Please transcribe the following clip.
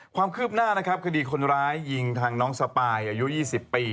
ความคืบหน้านะครับคดีคนร้ายยิงทางน้องสปายอายุ๒๐ปี